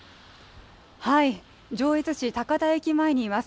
上越市高田駅前にいます。